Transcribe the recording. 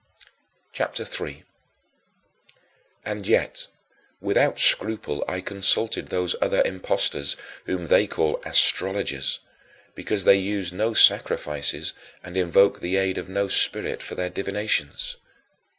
CHAPTER III 4. And yet, without scruple, I consulted those other impostors, whom they call "astrologers" [mathematicos], because they used no sacrifices and invoked the aid of no spirit for their divinations.